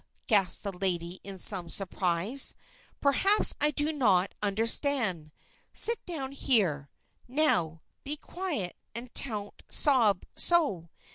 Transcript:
gasped the lady, in some surprise. "Perhaps I do not just understand. Sit down here. Now, be quiet, and don't sob so.